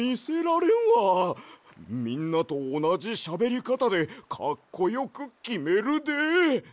みんなとおなじしゃべりかたでかっこよくきめるで。